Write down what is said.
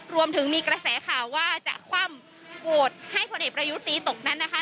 รวมถึงมีกระแสข่าวว่าจะคว่ำโหวตให้พลเอกประยุตีตกนั้นนะคะ